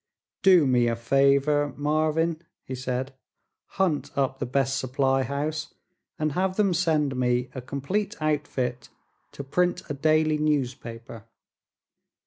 "Do me a favor, Marvin," he said. "Hunt up the best supply house and have them send me a complete outfit to print a daily newspaper.